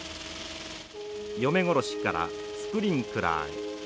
嫁殺しからスプリンクラーに。